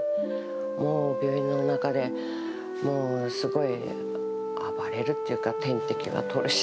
もう病院の中で、もうすごい暴れるっていうか、点滴は取るし。